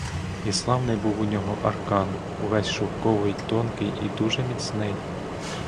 І славний був у нього аркан: увесь шовковий, тонкий і дуже міцний.